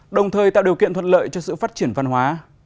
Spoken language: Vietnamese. đồng thời tạo điều kiện thuận lợi cho sự phát triển văn hóa